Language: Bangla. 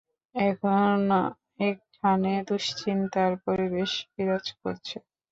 এখন এখানে দুশ্চিন্তার পরিবেশ বিরাজ করছে।